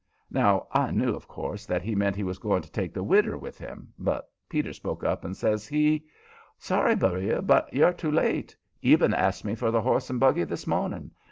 Now, I knew of course, that he meant he was going to take the widder with him, but Peter spoke up and says he: "Sorry, Beriah, but you're too late. Eben asked me for the horse and buggy this morning.